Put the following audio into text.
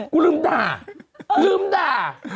กูลืมด่า